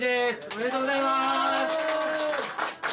ありがとうございます。